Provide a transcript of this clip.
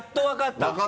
分かった。